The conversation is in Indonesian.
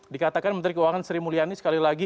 dikatakan menteri keuangan sri mulyani sekali lagi